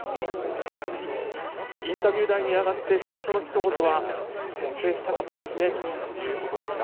インタビュー台に上がって最初のひと言は「先制したかったですね」ということでした。